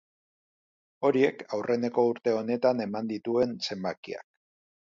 Horiek, aurreneko urte honetan eman dituen zenbakiak.